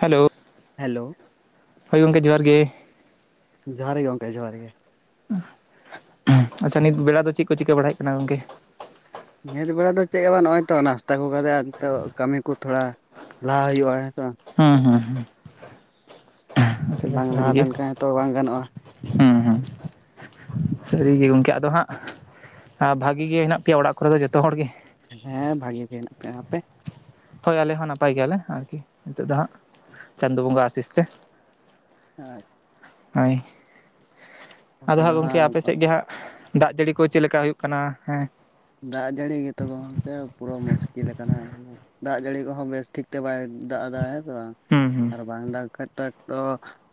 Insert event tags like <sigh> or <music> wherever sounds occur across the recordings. Hello hello ᱦᱳᱭ ᱜᱚᱢᱠᱮ ᱡᱚᱦᱟᱨ ᱜᱮ ᱡᱚᱦᱟᱨ ᱜᱮ ᱜᱚᱢᱠᱮ ᱡᱚᱦᱟᱨ ᱜᱮ ᱟᱪᱪᱷᱟ ᱱᱤᱛ ᱵᱮᱲᱟ ᱫᱚ ᱪᱮᱫ ᱠᱚ ᱪᱤᱠᱟᱹ ᱵᱟᱲᱟᱭ ᱦᱩᱭᱩᱜ ᱠᱟᱱᱟ ᱜᱚᱝᱠᱮ? ᱱᱤᱛ ᱵᱮᱲᱟ ᱫᱚ ᱪᱮᱫ ᱦᱚ ᱵᱟᱝ ᱱᱚᱜᱼᱚᱭ ᱛᱚ ᱱᱟᱥᱛᱟ ᱠᱚ ᱠᱟᱛᱮᱜ ᱟᱨ ᱱᱤᱛᱚᱜ ᱠᱟᱹᱢᱤ ᱠᱚ ᱛᱷᱚᱲᱟ ᱞᱟᱦᱟ ᱦᱩᱭᱩᱜᱼᱟ ᱦᱮᱸᱥᱮ ᱵᱟᱝ ᱦᱩᱸ ᱦᱩᱸ ᱦᱩᱸ ᱟᱪᱪᱷᱟ ᱵᱮᱥ ᱵᱟᱝ ᱞᱟᱦᱟ ᱵᱷᱟᱜᱤ ᱜᱮ ᱞᱮᱱᱠᱷᱟᱱᱡ ᱦᱚᱛᱚ ᱵᱟᱝ ᱜᱟᱱᱚᱜᱼᱟ ᱦᱩᱸ ᱦᱩᱸ ᱥᱟᱹᱨᱤᱜᱮ ᱜᱚᱢᱠᱮ ᱟᱫᱚ ᱦᱟᱸᱜ ᱟᱨ ᱵᱷᱟᱜᱤ ᱜᱮ ᱦᱮᱱᱟᱜ ᱯᱮᱭᱟ ᱚᱲᱟᱜ ᱠᱚᱨᱮ ᱫᱚ ᱡᱚᱛᱚ ᱦᱚᱲ ᱜᱮ? ᱦᱮᱸ ᱵᱷᱟᱜᱤ ᱜᱮ ᱦᱮᱱᱟᱜ ᱯᱮᱭᱟ ᱟᱯᱮ? ᱦᱳᱭ ᱟᱞᱮ ᱦᱚᱸ ᱱᱟᱯᱟᱭ ᱜᱮᱭᱟᱞᱮ ᱟᱨᱠᱤ ᱱᱤᱛᱚᱜ ᱫᱚ ᱦᱟᱸᱜ ᱪᱟᱸᱫᱚ ᱵᱚᱸᱜᱟ ᱟᱥᱤᱥ ᱛᱮ ᱾ <unintelligible> ᱦᱳᱭ ᱾ ᱟᱫᱚ ᱟᱯᱮ ᱫᱚ ᱦᱟᱸᱜ ᱜᱚᱢᱠᱮ ᱟᱯᱮ ᱥᱮᱫ ᱜᱮ ᱦᱟᱸᱜ ᱫᱟᱜ ᱡᱟᱹᱲᱤ ᱠᱚ ᱪᱮᱫᱮᱠᱟ ᱦᱩᱭᱩᱜ ᱠᱟᱱᱟ? ᱦᱮᱸ ᱫᱟᱜ ᱡᱟᱹᱲᱤ ᱜᱮᱛᱚ ᱜᱚᱢᱠᱮ ᱯᱩᱨᱟᱹ ᱢᱩᱥᱠᱤᱞ ᱟᱠᱟᱱᱟ ᱫᱟᱜ ᱡᱟᱹᱲᱤ ᱠᱚᱦᱚᱸ ᱵᱮᱥ ᱴᱷᱤᱠ ᱛᱮ ᱵᱟᱭ ᱫᱟᱜ ᱟ ᱮᱫᱟᱜᱟ ᱦᱮᱸ ᱥᱮ ᱵᱟᱝ? ᱦᱩᱸ ᱦᱩᱸ ᱟᱨ ᱵᱟᱝ ᱫᱟᱜ ᱠᱷᱟᱡ ᱛᱚ ᱮᱠᱛᱚ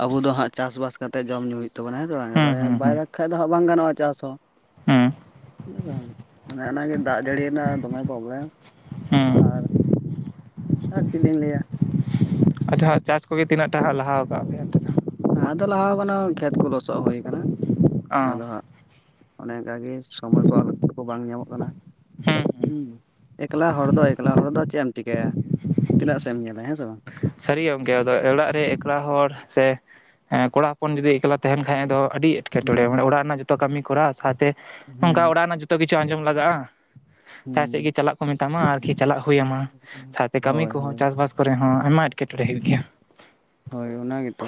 ᱟᱵᱚ ᱫᱚ ᱦᱟᱸᱜ ᱪᱟᱥᱵᱟᱥ ᱠᱟᱛᱮᱫ ᱡᱚᱢ ᱧᱩ ᱦᱩᱭᱩᱜ ᱛᱟᱵᱚᱱᱟ ᱦᱮᱸᱥᱮ ᱵᱟᱝ ᱦᱩᱸ ᱵᱟᱲᱟᱭᱟ ᱦᱩᱸ ᱵᱟᱭ ᱦᱩᱸ ᱫᱟᱜ ᱠᱷᱟᱱ ᱫᱚ ᱦᱟᱸᱜ ᱵᱟᱝ ᱜᱟᱱᱚᱜ-ᱟ ᱪᱟᱥ ᱦᱚᱸ ᱦᱩᱸ ᱪᱮ ᱚᱱᱮ ᱚᱱᱟ ᱜᱮ ᱫᱟᱜ ᱡᱟᱹᱲᱤ ᱨᱮᱱᱟᱜ ᱫᱚᱢᱮ ᱯᱨᱚᱵᱞᱮᱢ ᱦᱩᱸ ᱟᱨ ᱟᱨ ᱪᱮᱫ ᱞᱤᱧ ᱞᱮᱭᱟ ᱟᱪᱪᱷᱟ ᱪᱟᱥ ᱠᱚᱜᱮ ᱛᱤᱱᱟᱹᱜ ᱴᱟ ᱦᱟᱸᱜ ᱞᱟᱦᱟᱣ ᱟᱠᱟᱜ ᱢᱮᱭᱟ ᱞᱟᱦᱟ ᱫᱚ ᱞᱟᱦᱟᱣ ᱟᱠᱟᱱᱟ ᱠᱷᱮᱛ ᱠᱚ ᱞᱚᱥᱚᱫ ᱦᱩᱭ ᱟᱠᱟᱱᱟ ᱚ ᱟᱫᱚ ᱦᱟᱸᱜ ᱚᱱᱮ ᱚᱱᱠᱟ ᱜᱮ ᱥᱚᱢᱚᱭ ᱠᱚ ᱟᱞ ᱠᱚ ᱵᱟᱝ ᱧᱟᱢᱚᱜ ᱠᱟᱱᱟ ᱦᱩᱸ ᱮᱠᱞᱟ ᱦᱚᱲ ᱫᱚ ᱮᱠᱞᱟ ᱦᱚᱲ ᱫᱚ ᱟᱨ ᱪᱮᱫ ᱮᱢ ᱪᱤᱠᱟᱹᱭᱟ ᱛᱤᱱᱟᱹᱜ ᱥᱮᱫ ᱮᱢ ᱧᱮᱞᱟ ᱦᱮᱸ ᱥᱮ ᱵᱟᱝ ᱥᱟᱹᱨᱤ ᱜᱮ ᱜᱚᱢᱠᱮ ᱟᱫᱚ ᱚᱲᱟᱜ ᱨᱮ ᱮᱠᱞᱟ ᱦᱚᱲ ᱥᱮ ᱦᱮᱸ ᱠᱚᱲᱟ ᱦᱚᱯᱚᱱ ᱡᱩᱫᱤ ᱮᱠᱞᱟ ᱛᱟᱦᱮᱸᱱ ᱠᱷᱟᱡ ᱫᱚ ᱟᱹᱰᱤ ᱮᱴᱠᱮᱴᱚᱬᱮ ᱚᱱᱰᱮ ᱚᱲᱟᱜ ᱨᱮᱱᱟᱜ ᱡᱚᱛᱚ ᱠᱟᱹᱢᱤ ᱠᱚᱨᱟᱣ ᱥᱟᱶᱛᱮ ᱱᱚᱝᱠᱟ ᱦᱮᱸ ᱚᱲᱟᱜ ᱨᱮᱱᱟᱜ ᱡᱚᱛᱚ ᱠᱤᱪᱷᱩ ᱟᱸᱡᱚᱢ ᱞᱟᱜᱟᱜᱼᱟ ᱡᱟᱦᱟᱸ ᱥᱮᱫ ᱜᱮ ᱦᱩᱸ ᱪᱟᱞᱟᱜ ᱠᱚ ᱢᱮᱛᱟᱢᱟ ᱟᱨᱠᱤ ᱪᱟᱞᱟᱜ ᱦᱩᱭ ᱟᱢᱟ ᱥᱟᱶᱛᱮ ᱠᱟᱹᱢᱤ ᱦᱳᱭ ᱠᱚᱦᱚ ᱦᱳᱭ ᱪᱟᱥᱵᱟᱥ ᱠᱚᱨᱮ ᱦᱚᱸ ᱟᱭᱢᱟ ᱮᱴᱠᱮᱴᱚᱬᱮ ᱦᱩᱭᱩᱜ ᱜᱮᱭᱟ ᱦᱳᱭ ᱚᱱᱟ ᱜᱮᱛᱚ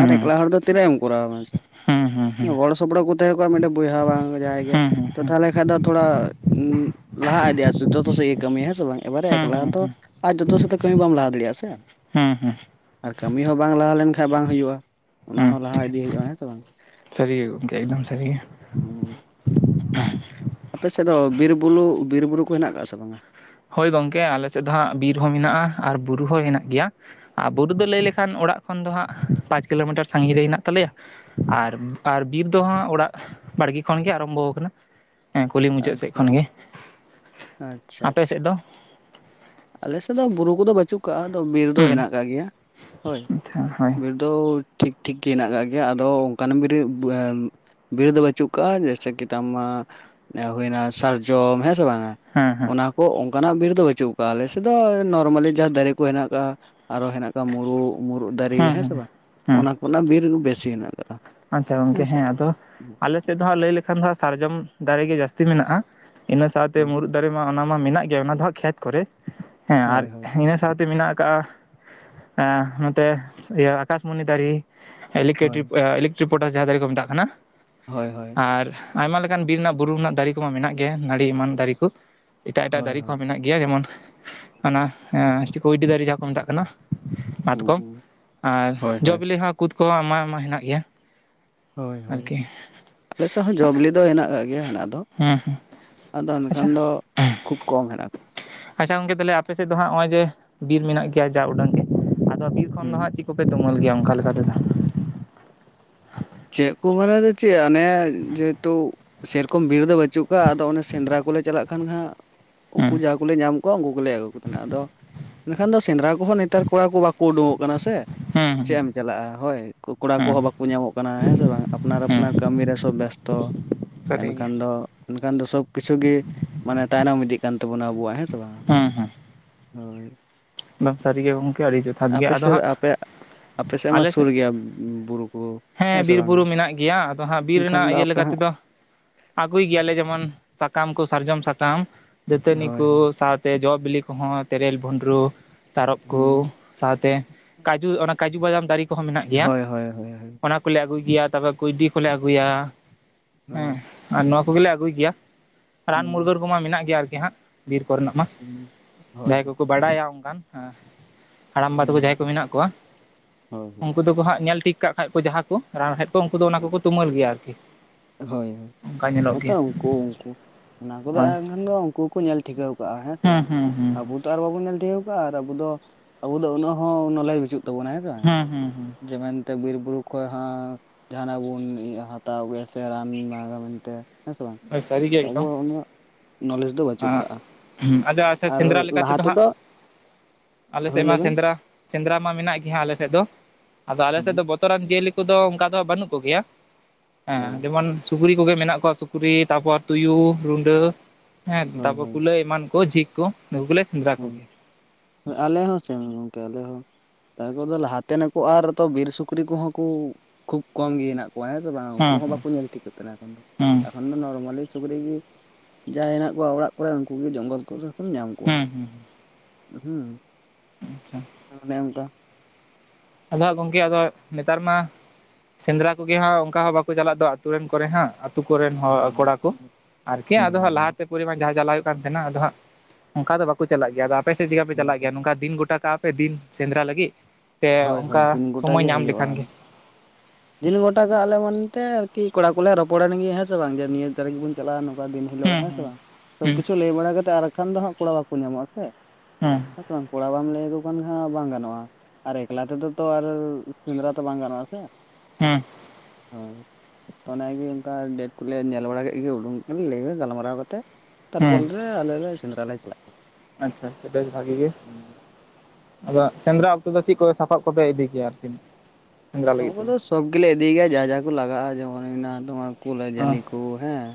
ᱟᱨ ᱮᱠᱞᱟ ᱦᱚᱲ ᱫᱚ ᱛᱤᱱᱟᱹᱜ ᱮᱢ ᱠᱚᱨᱟᱣᱟ ᱢᱟᱥᱮ ᱦᱩᱸ ᱦᱩᱸ ᱦᱩᱸ ᱜᱚᱲᱚ ᱥᱚᱯᱲᱚ ᱠᱚ ᱛᱟᱦᱮᱸ ᱠᱚᱜᱼᱟ ᱢᱤᱫᱴᱮᱡ ᱵᱚᱭᱦᱟ ᱵᱟᱝ ᱡᱟᱦᱟᱸᱭ ᱜᱮ ᱦᱩᱸ ᱦᱩᱸ ᱛᱚ ᱦᱩᱸ ᱛᱟᱦᱚᱞᱮ ᱠᱷᱟᱡ ᱫᱚ ᱛᱷᱚᱲᱟ ᱞᱟᱦᱟ ᱤᱫᱤᱜᱼᱟ ᱡᱚᱛᱚ ᱥᱮᱫ ᱜᱮ ᱠᱟᱹᱢᱤᱜᱼᱟ ᱦᱮᱸ ᱥᱮ ᱵᱟᱝ ᱮᱵᱟᱨᱮ ᱦᱩᱸ ᱮᱠᱞᱟ ᱦᱩᱸ ᱫᱚ ᱟᱨ ᱡᱚᱛᱚ ᱥᱮᱫ ᱫᱚ ᱠᱟᱹᱢᱤ ᱵᱟᱢ ᱞᱟᱦᱟ ᱫᱟᱲᱤᱜᱼᱟ ᱥᱮ ᱦᱩᱸ ᱦᱩᱸ ᱟᱨ ᱠᱟᱹᱢᱤ ᱦᱚᱸ ᱵᱟᱝ ᱞᱟᱦᱟ ᱞᱮᱱᱠᱷᱟᱡ ᱵᱟᱝ ᱦᱩᱭᱩᱜᱼᱟ ᱚᱱᱟ ᱦᱩᱸ ᱦᱚᱸ ᱞᱟᱦᱟ ᱤᱫᱤ ᱦᱩᱭᱩᱜᱼᱟ ᱦᱮᱸ ᱥᱮ ᱵᱟᱝ ᱥᱟᱹᱨᱤ ᱜᱮ ᱜᱚᱢᱠᱮ ᱮᱠᱫᱚᱢ ᱥᱟᱹᱨᱤ ᱜᱮ ᱦᱩᱸ ᱟᱯᱮ ᱥᱮᱫ ᱫᱚ ᱵᱤᱨ ᱵᱩᱞᱩ ᱵᱤᱨ ᱵᱩᱨᱩ ᱠᱚ ᱦᱮᱱᱟᱜ ᱟᱠᱟᱜᱼᱟ ᱥᱮ ᱵᱟᱝᱟ ᱦᱳᱭ ᱜᱚᱝᱠᱮ ᱟᱞᱮ ᱥᱮᱫ ᱫᱚ ᱦᱟᱸᱜ ᱵᱤᱨ ᱦᱚᱸ ᱢᱮᱱᱟᱜᱼᱟ ᱟᱨ ᱵᱩᱨᱩ ᱦᱚᱸ ᱦᱮᱱᱟᱜ ᱜᱮᱭᱟ ᱟᱨ ᱵᱩᱨᱩ ᱫᱚ ᱞᱟᱹᱭ ᱞᱮᱠᱷᱟᱱ ᱚᱲᱟᱜ ᱠᱷᱚᱱ ᱫᱚ ᱦᱟᱸᱜ ᱯᱟᱸᱪ ᱠᱤᱞᱳᱢᱤᱴᱟᱨ ᱥᱟᱜᱤᱧ ᱨᱮ ᱦᱮᱱᱟᱜ ᱛᱟᱞᱮᱭᱟ ᱟᱨ ᱟᱨ ᱵᱤᱨ ᱫᱚ ᱦᱟᱸᱜ ᱚᱲᱟᱜ ᱵᱟᱲᱜᱮ ᱠᱷᱚᱱ ᱜᱮ ᱟᱨᱟᱢᱵᱚ ᱟᱠᱟᱱᱟ ᱦᱮᱸ ᱠᱩᱞᱦᱤ ᱢᱩᱪᱟᱹᱫ ᱥᱮᱫ ᱟᱪᱪᱷᱟ ᱠᱷᱚᱱ ᱜᱮ ᱟᱪᱪᱷᱟ ᱟᱪᱪᱷᱟ ᱟᱞᱮ ᱥᱮᱫ ᱫᱚ ᱵᱩᱨᱩ ᱠᱚᱫᱚ ᱵᱟᱹᱪᱩᱜ ᱠᱟᱜᱼᱟ ᱟᱫᱚ ᱵᱤᱨ ᱫᱚ ᱦᱩᱸ ᱦᱮᱱᱟᱜ ᱠᱟᱜ ᱜᱮᱭᱟ ᱦᱳᱭ ᱟᱪᱪᱷᱟ ᱦᱳᱭ ᱵᱤᱨ ᱫᱚ ᱴᱷᱤᱠ ᱴᱷᱤᱠ ᱜᱮ ᱦᱮᱱᱟᱜ ᱠᱟᱜ ᱜᱮᱭᱟ ᱟᱫᱚ ᱚᱱᱠᱟᱱ ᱵᱤᱨ ᱮ ᱵᱤᱨ ᱫᱚ ᱵᱟᱹᱪᱩᱜ ᱠᱟᱜᱼᱟ ᱡᱮᱭᱥᱮ ᱠᱤ ᱛᱟᱢ ᱢᱟ ᱦᱩᱭᱱᱟ ᱥᱟᱨ ᱡᱚᱢ ᱦᱮᱸ ᱥᱮ ᱵᱟᱝᱟ ᱦᱮᱸ ᱦᱮᱸ ᱚᱱᱟ ᱠᱚ ᱚᱱᱠᱟᱱᱟᱜ ᱵᱤᱨ ᱫᱚ ᱵᱟᱹᱪᱩᱜ ᱟᱞᱮ ᱥᱮᱫ ᱫᱚ ᱱᱚᱨᱢᱟᱞᱤ ᱡᱟᱦᱟᱸ ᱫᱟᱨᱮ ᱠᱚ ᱦᱮᱱᱟᱜ ᱟᱠᱟᱜᱼᱟ ᱟᱨᱦᱚ ᱦᱮᱱᱟᱜ ᱟᱠᱟᱜᱼᱟ ᱢᱩᱨᱩᱜ ᱢᱩᱨᱩᱜ ᱫᱟᱨᱤ ᱦᱮᱸ ᱥᱮ ᱵᱟᱝ ᱚᱱᱟ ᱠᱚ ᱨᱮᱱᱟᱜ ᱵᱤᱨ ᱵᱮᱥᱤ ᱦᱮᱱᱟᱜ ᱠᱟᱫᱟ ᱟᱪᱪᱷᱟ ᱜᱚᱝᱠᱮ ᱦᱮᱸ ᱟᱫᱚ ᱟᱞᱮ ᱥᱮᱫ ᱫᱚ ᱦᱟᱸᱜ ᱞᱟᱹᱭ ᱞᱮᱠᱷᱟᱱ ᱫᱚ ᱦᱟᱸᱜ ᱥᱟᱨᱡᱚᱢ ᱫᱟᱨᱮ ᱜᱮ ᱡᱟᱹᱥ ᱛᱤ ᱢᱮᱱᱟᱜᱼᱟ ᱤᱱᱟᱹ ᱥᱟᱶᱛᱮ ᱦᱳᱭ ᱢᱩᱨᱩᱫ ᱫᱟᱨᱮ ᱢᱟ ᱚᱱᱟ ᱢᱟ ᱢᱮᱱᱟᱜ ᱜᱮᱭᱟ ᱚᱱᱟ ᱫᱚ ᱦᱟᱸᱜ ᱠᱷᱮᱛ ᱠᱚᱨᱮ ᱦᱮᱸ ᱟᱨ ᱦᱳᱭ ᱤᱱᱟᱹ ᱥᱟᱶᱛᱮ ᱢᱮᱱᱟᱜ ᱟᱠᱟᱟᱜᱼᱟ ᱮᱸ ᱱᱚᱛᱮ ᱤᱭᱟᱹ ᱟᱠᱟᱥᱢᱩᱱᱤ ᱫᱟᱨᱤ ᱦᱳᱭ ᱤᱞᱤᱠᱮᱴᱵ ᱮᱞᱤᱠ ᱯᱚᱴᱟᱥ ᱡᱟᱦᱟᱸ ᱫᱟᱨᱮ ᱠᱚ ᱢᱮᱛᱟᱜ ᱠᱟᱱᱟ ᱦᱳᱭ ᱦᱳᱭ ᱟᱨ ᱟᱭᱢᱟ ᱞᱮᱠᱟᱱ ᱵᱤᱨ ᱨᱮᱱᱟᱜ ᱵᱩᱨᱩ ᱨᱮᱱᱟᱜ ᱫᱟᱨᱤ ᱠᱚᱢᱟ ᱢᱮᱱᱟᱜ ᱜᱮᱭᱟ ᱱᱟᱹᱲᱤ ᱮᱢᱟᱱ ᱫᱟᱨᱤ ᱠᱩ ᱮᱴᱟᱜ ᱮᱴᱟᱜ ᱦᱳᱭ ᱫᱟᱨᱤ ᱠᱚᱦᱚᱸ ᱢᱮᱱᱟᱜ ᱜᱮ ᱜᱮᱭᱟ ᱡᱮᱢᱚᱱ ᱚᱱᱟ ᱠᱩᱸᱭᱰᱤ ᱫᱟᱨᱤ ᱡᱟᱦᱟᱸ ᱠᱚ ᱢᱮᱛᱟᱜ ᱠᱟᱱᱟ ᱦᱩᱸ ᱢᱟᱛᱠᱚᱢ ᱦᱩᱸ ᱟᱨ ᱦᱳᱭ ᱡᱚ ᱦᱳᱭ ᱵᱤᱞᱤ ᱦᱚᱸ ᱠᱩᱫᱽ ᱠᱚᱦᱚᱸ ᱟᱭᱢᱟ ᱟᱭᱢᱟ ᱦᱮᱱᱟᱜ ᱜᱮᱭᱟ ᱦᱳᱭ ᱦᱳᱭ ᱟᱨᱠᱤ ᱟᱞᱮ ᱥᱮᱫ ᱦᱚᱸ ᱡᱚᱵᱤᱞᱤ ᱫᱚ ᱦᱮᱱᱟᱜ ᱠᱟᱜ ᱜᱮᱭᱟ ᱦᱮᱱᱟᱜ ᱫᱚ ᱦᱮᱸ ᱦᱮᱸ ᱟᱫᱚ ᱟᱪᱪᱷᱟ ᱮᱱᱠᱷᱟᱱ ᱫᱚ ᱠᱷᱩᱵ ᱠᱚᱢ ᱦᱮᱱᱟᱜ ᱟᱠᱟᱫᱟ ᱟᱪᱪᱷᱟ ᱜᱚᱝᱠᱮ ᱛᱟᱦᱚᱞᱮ ᱟᱯᱮ ᱥᱮᱫ ᱫᱚ ᱦᱟᱸᱜ ᱱᱚᱜᱼᱚᱭ ᱡᱮ ᱵᱤᱨ ᱢᱮᱱᱟᱜ ᱜᱮᱭᱟ ᱡᱟ ᱩᱰᱟᱹᱝ ᱜᱮ ᱟᱫᱚ ᱵᱤᱨ ᱠᱷᱚᱱ ᱦᱩᱸ ᱫᱚ ᱦᱟᱸᱜ ᱪᱤᱜ ᱠᱚᱯᱮ ᱛᱩᱢᱟᱹᱞ ᱜᱮᱭᱟ ᱚᱱᱠᱟ ᱞᱮᱠᱟ ᱛᱮᱫᱚ ᱪᱮᱫ ᱠᱩ ᱢᱟᱱᱮ ᱫᱚ ᱪᱮᱫ ᱟᱱᱮ ᱡᱮᱦᱮᱛᱩ ᱥᱮᱨᱚᱠᱚᱢ ᱵᱤᱨ ᱫᱚ ᱵᱟᱹᱪᱩᱜ ᱠᱟᱜᱼᱟ ᱟᱫᱚ ᱚᱱᱮ ᱥᱮᱸᱫᱽᱨᱟ ᱠᱚᱞᱮ ᱪᱟᱞᱟᱜ ᱠᱷᱟᱱ ᱦᱟᱜ ᱦᱮᱸ ᱩᱱᱠᱩ ᱡᱟᱦᱟᱸ ᱠᱚᱞᱮ ᱧᱟᱢ ᱠᱚᱣᱟ ᱩᱱᱠᱩ ᱠᱚᱞᱮ ᱟᱹᱜᱩ ᱠᱚ ᱛᱟᱦᱮᱸᱱᱟ ᱟᱫᱚ ᱢᱮᱱᱠᱷᱟᱱ ᱫᱚ ᱥᱮᱸᱫᱽᱨᱟ ᱠᱚᱦᱚᱸ ᱱᱮᱛᱟᱨ ᱠᱚᱲᱟ ᱠᱚ ᱵᱟᱠᱚ ᱩᱰᱩᱝᱚᱜ ᱠᱟᱱᱟ ᱥᱮ ᱦᱮᱸ ᱪᱮ ᱮᱢ ᱪᱟᱞᱟᱜᱼᱟ ᱦᱳᱭ ᱠᱚᱲᱟ ᱦᱮᱸ ᱦᱮᱸ ᱠᱚᱦᱚᱸ ᱵᱟᱠᱚ ᱧᱟᱢᱚᱜ ᱠᱟᱱᱟ ᱠᱟᱱᱟ ᱦᱮᱸ ᱥᱮ ᱵᱟᱝ ᱟᱯᱱᱟᱨ ᱦᱮᱸ ᱟᱯᱱᱟᱨ ᱠᱟᱹᱢᱤ ᱨᱮ ᱥᱚᱵ ᱵᱮᱥᱛᱚ ᱥᱟᱹᱨᱤ ᱜᱮ ᱮᱱᱠᱷᱟᱱ ᱫᱚ ᱢᱮᱱᱠᱷᱟᱱ ᱫᱚ ᱥᱚᱵ ᱠᱤᱪᱷᱩ ᱜᱮ ᱢᱟᱱᱮ ᱛᱟᱭᱱᱚᱢ ᱤᱫᱤᱜ ᱠᱟᱱ ᱛᱟᱵᱚᱱᱟ ᱟᱵᱚᱣᱟᱜ ᱦᱮᱸ ᱥᱮ ᱵᱟᱝ ᱦᱮᱸ ᱦᱮᱸ ᱦᱳᱭ ᱫᱚᱢ ᱥᱟᱹᱨᱤᱜᱮ ᱜᱚᱢᱠᱮ ᱟᱹᱰᱤ ᱡᱚᱛᱷᱟᱛ ᱜᱮ ᱟᱫᱚ ᱦᱟᱸᱜ ᱟᱯᱮᱥᱮᱫ ᱢᱟ ᱟᱞᱮ ᱥᱩᱨ ᱥᱮᱫ ᱜᱮᱭᱟ ᱵᱩᱨᱩ ᱠᱚ ᱦᱮᱸ ᱥᱮ ᱵᱤᱨ ᱵᱟᱝ ᱵᱩᱨᱩ ᱢᱮᱱᱟᱜ ᱜᱮᱭᱟ ᱟᱫᱚ ᱦᱟᱸᱜ ᱵᱤᱨ ᱮᱱᱠᱷᱟᱱ ᱨᱮᱱᱟᱜ ᱫᱚ ᱤᱭᱟᱹ ᱟᱯᱮ ᱞᱮᱠᱟ ᱦᱟᱸᱜ ᱛᱮᱫᱚ ᱟᱹᱜᱩᱭ ᱜᱮᱭᱟᱞᱮ ᱡᱮᱢᱚᱱ ᱥᱟᱠᱟᱢ ᱠᱚ ᱥᱟᱨᱡᱚᱢ ᱥᱟᱠᱟᱢ ᱫᱟᱹᱛᱟᱹᱱᱤ ᱦᱳᱭ ᱠᱚ ᱦᱳᱭ ᱥᱟ ᱛᱮ ᱡᱚ ᱵᱤᱞᱤ ᱠᱚᱦᱚᱸ ᱛᱮᱨᱮᱞ ᱵᱷᱩᱸᱰᱨᱩ ᱛᱟᱨᱚᱵ ᱠᱚ ᱥᱟᱶᱛᱮ ᱠᱟᱡᱩ ᱚᱱᱟ ᱠᱟᱡᱩ ᱵᱟᱫᱟᱢ ᱫᱟᱨᱮ ᱠᱚᱦᱚᱸ ᱢᱮᱱᱟᱜ ᱜᱮᱭᱟ ᱦᱳᱭ ᱦᱳᱭ ᱚᱱᱟ ᱠᱚᱞᱮ ᱟᱹᱜᱩᱭ ᱜᱮᱭᱟ ᱛᱟᱯᱚᱨ ᱠᱩᱭᱰᱤ ᱠᱚᱞᱮ ᱟᱹᱜᱩᱭᱟ ᱦᱮᱸ ᱦᱳᱭ ᱟᱨ ᱱᱚᱣᱟ ᱠᱚᱜᱮᱞᱮ ᱟᱹᱜᱩᱭ ᱜᱮᱭᱟ ᱨᱟᱱ ᱢᱩᱨᱜᱟᱹᱱ ᱠᱚᱢᱟ ᱢᱮᱱᱟᱜ ᱜᱮᱭᱟ ᱟᱨᱠᱤ ᱦᱟᱸᱜ ᱵᱤᱨ ᱠᱚᱨᱮᱱᱟᱜ ᱢᱟ ᱡᱟᱦᱟᱸᱭ ᱠᱚ ᱠᱚ ᱵᱟᱰᱟᱭᱟ ᱚᱱᱠᱟᱱ ᱦᱮᱸ ᱦᱟᱲᱟᱢᱵᱟ ᱛᱟᱠᱚ ᱡᱟᱦᱟᱸᱭ ᱠᱚ ᱢᱮᱱᱟᱜ ᱠᱚᱣᱟ ᱦᱳᱭ ᱩᱱᱠᱩ ᱫᱚᱠᱚ ᱦᱟᱸᱜ ᱧᱮᱞ ᱴᱷᱤᱠ ᱠᱟᱜ ᱠᱷᱟ ᱠᱚ ᱡᱟᱦᱟᱸ ᱠᱚ ᱨᱟᱱᱦᱮᱫ ᱠᱚ ᱩᱱᱠᱩ ᱫᱚ ᱚᱱᱟ ᱠᱚᱠᱚ ᱛᱩᱢᱟᱹᱞ ᱜᱮᱭᱟ ᱟᱨᱠᱤ ᱦᱳᱭ ᱦᱳᱭ ᱚᱱᱠᱟ ᱧᱮᱞᱚᱜ ᱦᱸᱛᱚ ᱜᱮᱭᱟ ᱩᱱᱠᱩ ᱩᱱᱠᱩ ᱚᱱᱟ ᱦᱳᱭ ᱠᱚᱫᱚᱱ ᱠᱷᱟᱱ ᱫᱚ ᱩᱱᱠᱩ ᱠᱚ ᱧᱮᱞ ᱴᱷᱤᱠᱟᱹᱣ ᱠᱟᱜᱼᱟ ᱦᱮᱸ ᱥᱮ ᱦᱩᱸ ᱵᱟᱝ ᱦᱩᱸ ᱦᱩᱸ ᱟᱵᱚ ᱚ ᱟᱨ ᱵᱟᱵᱚᱱ ᱧᱮᱞ ᱴᱷᱮᱣᱟᱜᱼᱟ ᱟᱨ ᱟᱵᱚ ᱫᱚ ᱟᱵᱚᱫᱚ ᱩᱱᱟᱹᱜ ᱦᱚᱸ ᱱᱚᱞᱮ ᱵᱟᱹᱪᱩᱜ ᱠᱚᱼᱟ ᱫᱚ ᱵᱱᱟᱭᱮᱫ ᱦᱩᱸ ᱦᱩᱸ ᱦᱩᱸ ᱡᱮᱢ ᱢᱮᱱᱛᱮ ᱵᱤᱨ ᱵᱩᱨᱩ ᱠᱷᱚᱡ ᱦᱚᱸ ᱡᱟᱦᱟᱱᱟᱜ ᱵᱚᱱᱤᱭᱟᱹ ᱦᱟᱛᱟᱣ ᱟᱜᱩᱭᱟ ᱥᱮ ᱨᱟᱱ ᱮᱢᱟ ᱢᱮᱱᱛᱮ ᱦᱮᱸ ᱥᱮ ᱵᱟᱝ ᱟᱵᱚᱣᱟᱜ ᱩᱱᱟᱹᱜ ᱱᱚᱞᱮᱡᱽ ᱫᱚ ᱵᱟᱹᱪᱩᱜ ᱠᱟᱜᱼᱟ ᱟᱪᱪᱷᱟ ᱟᱪᱪᱷᱟ ᱟᱨ ᱥᱮᱸᱫᱽᱨᱟ ᱞᱮᱠᱟ ᱞᱟᱦᱟ ᱛᱮᱫᱚ ᱦᱟᱸᱜ ᱟᱞᱮ ᱥᱮᱫ ᱦᱳᱭ ᱢᱟ ᱞᱟᱹᱭ ᱵᱮᱱ ᱥᱮᱸᱫᱽᱨᱟ ᱥᱮᱸᱫᱽᱨᱟ ᱢᱟ ᱢᱮᱱᱟᱜ ᱜᱮ ᱟᱞᱮᱥᱮᱫ ᱫᱚ ᱟᱫᱚ ᱟᱞᱮ ᱥᱮᱫ ᱫᱚ ᱵᱚᱨ ᱡᱤᱭᱟᱹ ᱠᱚ ᱫᱚ ᱚᱱᱠᱟ ᱫᱚ ᱵᱟᱹᱱᱩᱜ ᱠᱚᱜᱮᱭᱟ ᱦᱮᱸ ᱦᱳᱭ ᱡᱮᱢᱚᱱ ᱥᱩᱠᱨᱤ ᱠᱚᱜᱮ ᱢᱮᱱᱟᱜ ᱠᱚᱣᱟ ᱯᱩᱠᱤ ᱛᱟᱨᱯᱚᱨ ᱛᱩᱭᱩ ᱨᱩᱰᱟᱹ ᱦᱮᱸ ᱛᱟᱯᱚᱨ ᱦᱳᱭ ᱠᱩᱞᱟᱹᱭ ᱮᱢᱟᱱ ᱠᱚ ᱡᱷᱤᱠ ᱠᱚ ᱱᱩᱠᱩ ᱠᱚᱞᱮ ᱥᱮᱸᱫᱽᱨᱟ ᱦᱳᱭ ᱠᱚᱜᱮ ᱟᱞᱮ ᱦᱚᱸ ᱥᱮᱢ ᱜᱚᱝᱠᱮ ᱟᱞᱮ ᱦᱚᱸ ᱛᱟᱨᱯᱚᱨ ᱫᱚ ᱞᱟᱦᱟᱛᱮ ᱱᱩᱠᱩ ᱟᱨ ᱛᱚ ᱵᱤᱨ ᱥᱩᱠᱨᱤ ᱠᱚᱦᱚᱸ ᱠᱚ ᱠᱷᱩᱵ ᱠᱚᱢ ᱜᱮ ᱦᱮᱱᱟᱜ ᱠᱚᱣᱟ ᱚᱠᱚᱭ ᱦᱸ ᱥᱮ ᱵᱟᱝ ᱩᱱᱠᱩ ᱦᱩᱸ ᱦᱚᱸ ᱦᱩᱸ ᱵᱟᱠᱚ ᱧᱮᱞ ᱴᱷᱤᱠᱚᱜ ᱛᱟᱦᱮᱱᱟ ᱮᱠᱷᱚᱱ ᱫᱚ ᱦᱩᱸ ᱮᱠᱷᱚᱱ ᱫᱚ ᱱᱚᱨᱢᱟᱞᱤ ᱥᱩᱠ ᱨᱮᱜ ᱜᱮ ᱡᱭ ᱦᱮᱱᱟᱜ ᱠᱚᱣᱟ ᱚᱲᱟᱜ ᱠᱚᱨᱮ ᱩᱱᱠᱩ ᱜᱮ ᱡᱚᱝᱜᱚᱞ ᱠᱚᱨᱮ ᱠᱚ ᱧᱟᱢ ᱠᱚᱣᱟ ᱦᱩᱸ ᱦᱩᱸ ᱦᱩᱸ ᱟᱪᱪᱷᱟ ᱟᱮ ᱚᱱᱠᱟ ᱟᱫᱚ ᱦᱟᱸᱜ ᱜᱚᱢᱠᱮ ᱟᱫᱚ ᱱᱮᱛᱟᱨ ᱢᱟ ᱥᱮᱸᱫᱽᱨᱟ ᱠᱚᱜᱮ ᱦᱟᱸᱜ ᱚᱱᱠᱟ ᱦᱚᱸ ᱵᱟᱠᱚ ᱪᱟᱞᱟᱜ ᱫᱚ ᱟ ᱟᱹᱛᱩ ᱨᱮᱱ ᱠᱚᱨᱮ ᱦᱟᱸᱜ ᱟᱹᱛᱩ ᱠᱚᱨᱮᱱ ᱦᱩᱸ ᱠᱚᱲᱟ ᱠᱚ ᱟᱨᱠᱤ ᱟᱫᱚ ᱦᱩᱸ ᱞᱟᱦᱟᱛᱮ ᱯᱚᱨᱤᱢᱟᱱ ᱡᱟᱦᱟᱸ ᱪᱟᱞᱟᱣ ᱦᱩᱭᱩᱜ ᱠᱟᱱ ᱛᱟᱦᱮᱸᱱᱟ ᱟᱫᱚ ᱦᱟᱸᱜ ᱚᱱᱠᱟ ᱫᱚ ᱵᱟᱠᱚ ᱪᱟᱞᱟᱜ ᱜᱮᱭᱟ ᱟ ᱟᱯᱮ ᱥᱮᱫ ᱪᱤᱠᱟ ᱯᱮ ᱪᱟᱞᱟᱜ ᱵᱟᱠᱚ ᱜᱮᱭᱟ ᱱᱚᱝᱠᱟ ᱫᱤᱱ ᱜᱚᱴᱟ ᱠᱟᱜᱼᱟ ᱯᱮ ᱫᱤᱱ ᱥᱮᱸᱫᱽᱨᱟ ᱞᱟᱹᱜᱤᱫ ᱥᱮ ᱦᱳᱭ ᱦᱳᱭ ᱚᱱᱠᱟ ᱫᱤᱱ ᱜᱚᱴᱟ ᱥᱚᱢᱚᱭ ᱜᱮ ᱧᱟᱢ ᱞᱮᱠᱷᱟᱱ ᱦᱩᱭᱩᱜᱼᱟ ᱜᱮ ᱫᱤᱱ ᱜᱚᱴᱟᱟᱜ ᱟᱞᱮ ᱢᱮᱱᱛᱮ ᱟᱨᱠᱤ ᱠᱚᱲᱟ ᱠᱚᱞᱮ ᱨᱚᱯᱚᱲᱮᱱ ᱜᱮ ᱦᱮᱸᱥ ᱵᱟᱝ ᱡᱮ ᱱᱤᱭᱟᱹ ᱫᱟᱨᱮᱜ ᱜᱮᱵᱚᱱ ᱪᱟᱞᱟᱜᱼᱟ ᱚᱠᱟ ᱫᱤᱱ ᱦᱤᱞᱳᱜ ᱦᱩᱸ ᱦᱮᱸ ᱥᱮᱮ ᱵᱟᱝ ᱦᱩᱸ ᱥᱚᱵ ᱠᱤᱪᱷᱩ ᱞᱟᱹᱭ ᱵᱟᱲᱟ ᱠᱟᱛᱮᱫ ᱟᱨ ᱵᱟᱠᱷᱟᱱ ᱫᱚ ᱦᱜ ᱠᱚᱲᱟ ᱵᱟᱠᱚ ᱧᱟᱢᱚᱜᱼᱟ ᱥᱮ ᱦᱩᱸ ᱦᱮᱸ ᱥᱮ ᱵᱟᱝ ᱠᱚᱲᱟ ᱵᱟᱢ ᱞᱟᱹᱭᱟ ᱟᱠᱚ ᱵᱟᱝ ᱜᱟᱱᱚᱜᱼᱟ ᱟᱨ ᱮᱠᱞᱟ ᱛᱮᱫᱚ ᱛᱚ ᱟᱨ ᱥᱮᱸᱫᱽᱨᱟ ᱛᱚ ᱵᱟᱝ ᱜᱟᱱᱚᱜᱼᱟ ᱥᱮ ᱦᱮᱸ ᱦᱳᱭᱚ ᱚᱱᱟᱜᱮ ᱚᱱᱠᱟ ᱰᱮᱴ ᱠᱚᱞᱮ ᱧᱮᱞ ᱵᱟᱲᱟ ᱠᱮᱫ ᱜᱮ ᱩᱰᱩᱠ ᱞᱮ ᱞᱟᱹᱭ ᱜᱟᱞᱢᱟᱨᱟᱣ ᱠᱟᱛᱮ ᱦᱩᱸ ᱛᱟᱨᱯᱚᱨᱮ ᱟᱞᱮ ᱥᱮᱸᱫᱽᱨᱟ ᱞᱮ ᱪᱟᱞᱟᱜ ᱠᱟᱱᱟ ᱟᱪᱪᱷᱟ ᱟᱪᱪᱷᱟ ᱵᱮᱥ ᱵᱷᱟᱜᱤ ᱜᱮ ᱟᱫᱚ ᱥᱮᱸᱫᱽᱨᱟ ᱚᱠᱛᱚ ᱫᱚ ᱪᱮᱫ ᱠᱚ ᱥᱟᱯᱟᱵ ᱠᱚᱯᱮ ᱤᱫᱤ ᱠᱮᱭᱟ ᱟᱨᱠᱤ? ᱥᱮᱸᱫᱽᱨᱟ ᱞᱟᱹᱜᱤᱫ ᱛᱮᱫᱚ ᱩᱱᱟᱠᱩᱫᱚ ᱥᱚᱵᱽ ᱜᱮᱞᱮ ᱤᱫᱤᱭ ᱜᱮᱭᱟ ᱡᱟ ᱡᱟ ᱠᱚ ᱞᱟᱜᱟᱜᱼᱟ ᱡᱮᱢᱚᱱ ᱢᱮᱱᱟᱜ ᱛᱟᱢᱟ ᱠᱩᱞᱟᱹ ᱡᱷᱟᱹᱞᱤ ᱦᱮᱸ ᱠᱚ ᱦᱮᱸ,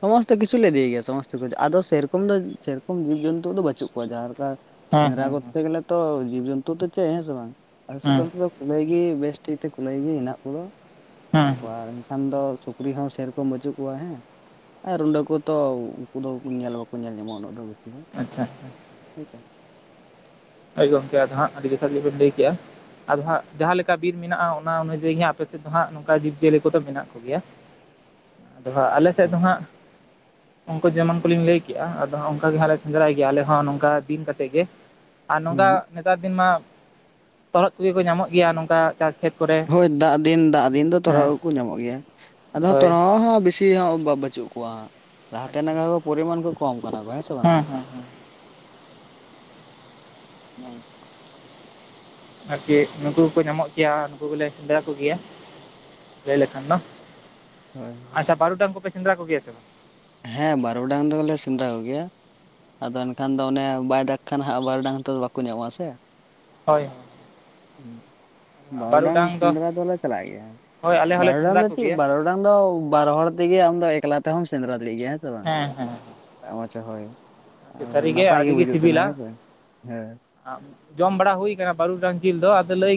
ᱥᱚᱢᱚᱥᱛ ᱠᱤᱪᱷᱩᱞ ᱞᱮ ᱤᱫᱤᱭᱮ ᱜᱮᱭᱟ ᱥᱚᱢᱚᱥᱛ ᱠᱤᱪᱷᱩ ᱟᱫᱚ ᱥᱮᱨᱚᱠᱚᱢ ᱫᱚ ᱥᱮᱨᱚᱠᱚᱢ ᱡᱤᱵᱽ ᱡᱚᱱᱛᱩ ᱫᱚ ᱵᱪᱩᱜ ᱠᱚᱣᱟ ᱡᱟᱦᱟᱸ ᱞᱮᱠᱟ ᱦᱮᱸ ᱥᱮᱸᱫᱽᱨᱟ ᱦᱮᱸ ᱠᱚᱨᱛᱮ ᱜᱮᱞᱮ ᱛᱚ ᱡᱤᱵ ᱡᱚᱱᱛᱩ ᱛᱚ ᱪᱮᱫ ᱦᱮᱸ ᱥᱮ ᱵᱟᱝ ᱟᱞᱮ ᱥᱮᱫ ᱦᱮᱸ ᱫᱚ ᱠᱩᱞᱟᱹᱭ ᱜᱮ ᱵᱮᱥ ᱴᱷᱤᱠ ᱛᱮ ᱞᱟᱹᱭ ᱜᱤ ᱦᱮᱱᱟᱜ ᱠᱚᱫᱚ ᱦᱮᱸ ᱦᱮᱱᱟᱜ ᱠᱚᱣᱟ ᱟᱨ ᱠᱷᱟᱱ ᱫᱚ ᱥᱩᱠᱨᱤ ᱦᱚᱸ ᱥᱮᱨᱚᱠᱚᱢ ᱵᱟᱪᱩᱜ ᱠᱚᱣᱟ ᱦᱮᱸ᱾ ᱟᱨ ᱨᱩᱸᱰᱟᱹ ᱠᱩ ᱛᱚ ᱩᱱᱠᱩ ᱫᱚ ᱧᱮᱞ ᱵᱟᱠᱚ ᱧᱮᱞ ᱧᱟᱢᱚᱜ-ᱟ ᱩᱱᱟᱹᱜ ᱫᱚ ᱵᱤᱥᱤ ᱫᱚ᱾ ᱟᱪᱪᱷᱟ <unintelligible> ᱦᱳᱭ ᱜᱚᱢᱠᱮ ᱟᱫᱚ ᱦᱟᱸᱜ ᱟᱰᱤ ᱡᱚᱛᱷᱟᱛ ᱜᱮᱵᱤᱱ ᱞᱟᱹᱭ ᱠᱮᱜ-ᱟ᱾ ᱟᱫᱚ ᱦᱟᱸᱜ ᱡᱟᱸᱦᱟᱸ ᱞᱮᱠᱟ ᱵᱤᱨ ᱢᱮᱱᱟᱜ-ᱟ ᱚᱱᱟ ᱚᱱᱩᱡᱟᱭᱤ ᱜᱤ ᱦᱟᱸᱜ ᱟᱯᱮ ᱥᱮᱫ ᱫᱚ ᱦᱟᱸᱜ ᱱᱚᱝᱠᱟ ᱡᱤᱵᱽ ᱡᱤᱭᱟᱹᱞᱤ ᱠᱚᱫᱚ ᱢᱮᱱᱟᱜ ᱠᱚᱜᱮᱭᱟ? <inaudible> ᱟᱫᱚ ᱦᱟᱸᱜ ᱟᱞᱮ ᱥᱮᱫ ᱫᱚ ᱦᱟᱸᱜ, ᱩᱱᱠᱩ ᱡᱮᱢᱚᱱ ᱠᱚᱞᱤᱧ ᱞᱟᱹᱭ ᱠᱮᱜ-ᱟ ᱟᱫᱚ ᱚᱱᱠᱟ ᱜᱮ ᱦᱟᱸᱜ ᱞᱮ ᱥᱮᱸᱫᱽᱨᱟᱭ ᱜᱮᱭᱟᱞᱮ ᱦᱚᱸ ᱱᱚᱝᱠᱟ ᱫᱤᱱ ᱠᱟ ᱠᱟᱛᱮᱜ ᱜᱮ᱾ ᱟᱨ ᱱᱚᱝᱠᱟ ᱦᱩᱸ ᱱᱮᱛᱟᱨ ᱫᱤᱱ ᱢᱟ ᱛᱚᱨᱦᱚᱫ ᱠᱩᱠᱩ ᱠᱚ ᱧᱟᱢᱚᱜ ᱜᱮᱭᱟ ᱱᱚᱝᱠᱟ ᱪᱟᱥ ᱠᱷᱮᱛ ᱠᱚᱨᱮ, ᱦᱳᱭ ᱫᱟᱜ ᱫᱤᱱ ᱫᱟᱜ ᱫᱤᱱ ᱫᱚ ᱛᱚᱨᱦᱚ ᱦᱮᱸ ᱦᱚᱸᱠᱚ ᱧᱟᱢᱚᱜ ᱜᱮᱭᱟ ᱟᱫᱚ ᱦᱳᱭ ᱛᱚᱨᱦᱚ ᱦᱚᱸ ᱵᱤ ᱥᱤ ᱦᱚᱸ ᱵᱟᱪᱩᱜ ᱠᱚᱣᱟ, ᱞᱟᱦᱟᱛᱮ ᱱᱟᱜ ᱯᱚᱨᱤᱢᱟᱱ ᱠᱚ ᱠᱚᱢ ᱠᱟᱱᱟ ᱠᱚ ᱦᱮᱸ ᱥᱮ ᱵᱟᱝᱟ? ᱦᱮᱸ ᱦᱮᱸ <inaudible> ᱟᱨᱠᱤ ᱱᱩᱠᱩ ᱠᱚᱠᱚ ᱧᱟᱢᱚᱜ ᱜᱮᱭᱟ ᱱᱩᱠᱩ ᱜᱮᱞᱮ ᱥᱮᱸᱫᱽᱨᱟ ᱠᱚᱜᱤᱭᱟ᱾ ᱞᱟᱹᱭ ᱞᱮᱠᱷᱟᱱ ᱫᱚ᱾ ᱦᱳᱭ ᱵᱟᱨᱩᱰᱟᱝ ᱠᱚᱯᱮ ᱥᱮᱸᱫᱽᱨᱟ ᱠᱚᱜᱮᱭᱟ ᱥᱮ ᱵᱟᱝ? ᱦᱮᱸ ᱵᱟᱨᱩᱰᱟᱝ ᱫᱚᱞᱮ ᱥᱮᱸᱫᱽᱨᱟ ᱠᱚᱜᱮᱭᱟ᱾ ᱟᱫᱚ ᱮᱱᱠᱷᱟᱱ ᱫᱚ ᱚᱱᱮ ᱵᱟᱭ ᱫᱟᱜ ᱠᱷᱟᱱ ᱦᱟᱸᱜ ᱵᱟᱨᱩᱰᱟᱝ ᱛᱚ ᱵᱟᱠᱩ ᱧᱟᱢᱚᱜ-ᱟ ᱥᱮ᱾ ᱦᱳᱭ ᱦᱳᱭ ᱵᱟᱨᱩᱰᱟᱝ ᱵᱟᱹᱨᱩᱰᱟᱝ ᱫᱚ ᱥᱮᱸᱫᱽᱨᱟ ᱫᱚᱞᱮ ᱪᱟᱞᱟᱜ ᱜᱮᱭᱟ ᱦᱳᱭ ᱟᱞᱮ ᱦᱚᱸᱞᱮ ᱵᱟᱨᱩᱰᱟᱝ ᱥᱮᱸᱫᱽᱨᱟ ᱫᱚ ᱪᱮᱫ ᱠᱚᱜᱮᱭᱟ ᱵᱟᱨᱩ ᱰᱟᱝ ᱫᱚ ᱵᱟᱨ ᱦᱚᱲ ᱛᱤᱜᱤ ᱟᱢ ᱫᱚ ᱮᱠᱞᱟ ᱛᱮᱦᱚᱸᱢ ᱥᱮᱸᱫᱽᱨᱟ ᱫᱟᱲᱤᱭᱭᱟ ᱦᱮᱸ ᱥᱮ ᱵᱟᱝ? ᱟᱪᱪᱷᱟ ᱦᱳᱭ ᱟᱨ ᱥᱟᱹᱨᱤᱜᱮ ᱱᱟᱯᱟᱭ ᱜᱮ ᱟᱹᱰᱤᱜᱮ ᱵᱩᱡᱩᱜ ᱠᱟᱱᱟ ᱥᱤᱵᱤᱞᱟ ᱦᱮᱸᱥᱮ ᱦᱮᱸ᱾ ᱡᱚᱢ ᱵᱟᱲᱟ ᱦᱩᱭ ᱠᱟᱱᱟ ᱵᱟᱨᱩᱰᱟᱝ ᱡᱤᱞ ᱫᱚ ᱟᱫᱚ ᱞᱟᱹᱭ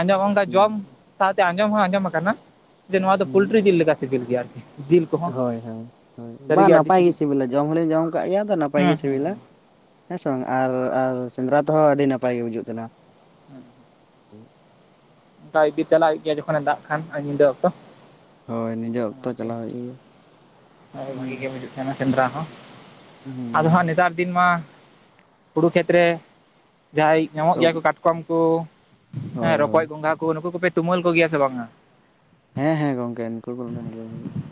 ᱟᱸᱡᱚᱢ ᱚᱱᱠᱟ ᱦᱩᱸ ᱡᱚᱢ ᱥᱟᱶᱛᱮ ᱟᱸᱡᱚᱢ ᱦᱚᱸ ᱟᱸᱡᱚᱢ ᱟᱠᱟᱱᱟ ᱡᱮ ᱱᱚᱣᱟ ᱫᱚ ᱦᱩᱸ ᱯᱳᱞᱴᱨᱤ ᱡᱤᱞ ᱞᱮᱠᱟ ᱥᱤᱵᱤᱞ ᱜᱮᱭᱟ ᱟᱨᱠᱤ᱾ ᱡᱤᱞ ᱠᱚᱦᱚᱸ ᱦᱳᱭ ᱦᱳᱭ ᱦᱳᱭ ᱵᱟᱝ ᱥᱟᱹᱨᱤᱜᱮ ᱟᱹᱰᱤ ᱱᱟᱯᱟᱭ ᱜᱮ ᱥᱤᱵᱤᱞ ᱥᱤᱵᱤᱞᱟ ᱡᱚᱢ ᱦᱚᱞᱤᱧ ᱡᱚᱢ ᱠᱟᱜ ᱜᱮᱭᱟ ᱛᱚ ᱱᱟᱯᱟᱭ ᱜᱮ ᱦᱩᱸ ᱦᱩᱸ ᱥᱤᱵᱤᱞᱟ ᱦᱩᱸ ᱦᱮᱸᱥᱮ ᱵᱟᱝ ᱟᱨ ᱟᱨ ᱥᱮᱸᱫᱽᱨᱟ ᱛᱮᱦᱚᱸ ᱟᱰᱤ ᱱᱟᱯᱟᱭ ᱜᱮ ᱵᱩᱡᱩᱜ ᱛᱟᱦᱮᱱᱟ᱾ ᱦᱮᱸ <inaudible> ᱚᱱᱠᱟ ᱤᱫᱤ ᱪᱟᱞᱟᱜ ᱦᱩᱭᱩᱜ ᱜᱮᱭᱟ ᱡᱚᱠᱷᱚᱱᱮ ᱫᱟᱜ ᱠᱷᱟᱱ ᱟᱨ ᱧᱤᱫᱟᱹ ᱚᱠᱛᱚ, ᱦᱳᱭ ᱱᱤᱡᱮ ᱚᱠᱛᱚ ᱟᱨᱠᱤ ᱪᱟᱞᱟᱣ ᱦᱩᱭᱩᱜ ᱜᱮᱭᱟ ᱦᱳᱭ ᱦᱩᱸ ᱵᱷᱟᱜᱤ ᱜᱮ ᱵᱩᱡᱩᱜ ᱠᱟᱱᱟ ᱥᱮᱸᱫᱽᱨᱟ ᱦᱚᱸ᱾ ᱦᱩᱸ ᱟᱫᱚ ᱦᱟᱸᱜ ᱱᱮᱛᱟᱨ ᱫᱤᱱ ᱢᱟ ᱦᱩᱲᱩ ᱠᱷᱮᱛᱨᱮ ᱡᱟᱸᱦᱟᱸᱭ ᱧᱟᱢᱚᱜ ᱥᱚᱵ ᱜᱮᱭᱟ ᱠᱚ ᱠᱟᱴ ᱠᱚᱢ ᱠᱩ ᱦᱮᱸ ᱦᱳᱭ ᱨᱚᱠᱚᱡ ᱦᱳᱭ ᱜᱚᱸᱜᱷᱟ ᱠᱩ ᱱᱩᱠᱩ ᱠᱚᱯᱮ ᱛᱩᱢᱟᱹᱞ ᱠᱚᱜᱮᱭᱟ ᱥᱮ ᱵᱟᱝ-ᱟ? ᱦᱮᱸ ᱦᱮᱸ ᱜᱚᱝᱠᱮ ᱱᱩᱠᱩ ᱠᱚᱦᱚ ᱡᱚᱢ ᱦᱩᱭᱩᱜᱼᱟ᱾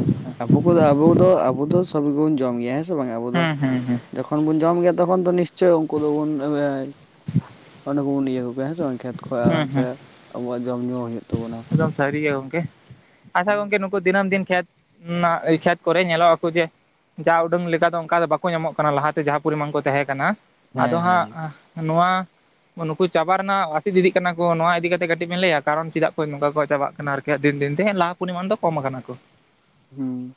ᱟᱪᱪᱷᱟ ᱟᱵᱩ ᱠᱚᱫᱚ ᱟᱵᱩ ᱫᱚ ᱟᱵᱩ ᱫᱚ ᱥᱚᱵᱤ ᱠᱚᱵᱚᱱ ᱡᱚᱢ ᱜᱮᱭᱟ ᱦᱮᱸ ᱥᱮ ᱵᱟᱝ ᱟᱵᱩ ᱫᱚ ᱦᱩᱸ ᱦᱩᱸ ᱦᱩᱸ ᱡᱚ ᱠᱷᱚᱱ ᱵᱚᱱ ᱡᱚᱢ ᱜᱮᱭᱟ ᱛᱚᱠᱷᱚᱱ ᱫᱚ ᱱᱤᱥᱪᱳᱭ ᱩᱱᱠᱩ ᱫᱚᱵᱚᱱ ᱚᱱᱮ ᱠᱚᱵᱚᱱ ᱤᱭᱟᱹ ᱠᱚᱜᱮᱭᱟ ᱦᱮᱸᱥᱮ ᱵᱟᱝ ᱠᱷᱮᱛ ᱦᱳᱭ ᱟᱨᱚ ᱦᱩᱸ ᱱᱚᱛᱮ ᱦᱩᱸ ᱟᱵᱩᱣᱟᱜ ᱡᱚᱢ ᱧᱩ ᱦᱩᱭᱩᱜ ᱛᱟᱵᱩᱱᱟ᱾ ᱮᱠᱫᱚᱢ ᱥᱟᱲᱤ ᱜᱮ ᱜᱚᱝᱠᱮ ᱟᱪᱪᱷᱟ ᱜᱚᱝᱠᱮ, ᱫᱤᱱᱟᱹᱢ ᱫᱤᱱ ᱠᱷᱮᱛ ᱠᱷᱮᱛ ᱠᱚᱨᱮ ᱧᱮᱞᱚᱜ ᱟᱠᱚ ᱡᱮ ᱡᱟ ᱩᱰᱟᱹᱝ ᱞᱮᱠᱟ ᱫᱚ ᱚᱱᱠᱟ ᱫᱚ ᱵᱟᱠᱚ ᱧᱟᱢᱚᱜ ᱠᱟᱱᱟ ᱞᱟᱦᱟᱛᱮ ᱡᱟᱦᱟᱸ ᱯᱚᱨᱤᱢᱟᱱ ᱠᱚ ᱛᱟᱦᱮᱸ ᱠᱟᱱᱟ᱾ ᱦᱮᱸ ᱟᱫᱚ ᱦᱟᱸᱜ ᱦᱮᱸ ᱱᱚᱣᱟ ᱱᱩᱠᱩ ᱪᱟᱵᱟ ᱨᱮᱱᱟᱜ ᱟᱥᱤᱫ ᱤᱫᱤᱜ ᱠᱟᱱᱟ ᱠᱩ ᱱᱚᱣᱟ ᱤᱫᱤ ᱠᱟᱛᱮ ᱠᱟᱴᱤᱡ ᱵᱮᱱ ᱞᱟᱹᱭᱟ ᱠᱟᱨᱚᱱ ᱪᱮᱫᱟᱜ ᱠᱚ ᱱᱚᱝᱠᱟ ᱠᱚ ᱪᱟᱵᱟᱜ ᱠᱟᱱᱟ ᱟᱨᱠᱤ ᱫᱤᱱ ᱫᱤᱱᱛᱮ ᱦᱮᱸ ᱞᱟᱦᱟ ᱯᱚᱨᱤᱢᱟᱱ ᱫᱚ ᱠᱚᱢ ᱠᱟᱱᱟ ᱠᱩ᱾ ᱦᱩᱸ